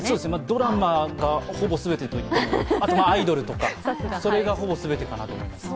ドラマがほぼすべてといっても、あとアイドルとか、それがほぼ全てかと思います。